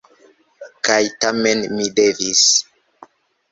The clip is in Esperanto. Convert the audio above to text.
Kaj tamen mi devis.